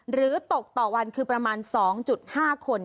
หรือตกต่อวันคือประมาณ๒๕คน